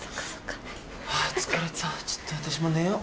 あぁ疲れたちょっと私も寝よう。